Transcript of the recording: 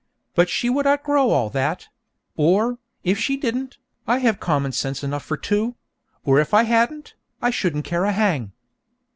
But she would outgrow all that; or, if she didn't, I have common sense enough for two; or if I hadn't, I shouldn't care a hang.